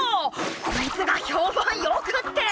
こいつが評判良くって！